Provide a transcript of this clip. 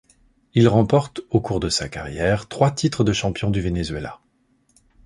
Il remporte au cours de sa carrière trois titres de champion du Venezuela.